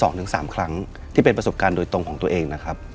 สองถึงสามครั้งที่เป็นประสบการณ์โดยตรงของตัวเองนะครับ